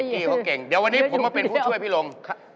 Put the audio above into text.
ใช่คือเดี๋ยววันนี้ผมมาเป็นผู้ช่วยพี่ลุงนะครับ